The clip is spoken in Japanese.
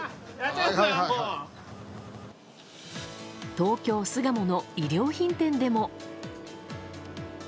東京・巣鴨の衣料品店でも。